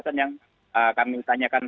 jangan lupa kesusahan